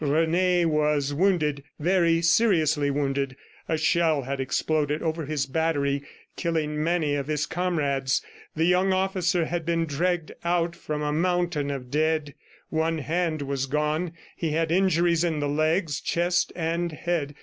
Rene was wounded, very seriously wounded. A shell had exploded over his battery, killing many of his comrades. The young officer had been dragged out from a mountain of dead, one hand was gone, he had injuries in the legs, chest and head.